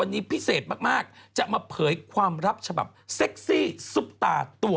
อันนี้เปิดตาแต่อย่าเปิดตา